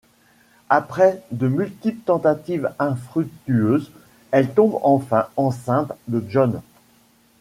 Après de multiples tentatives infructueuses, elle tombe enfin enceinte de John.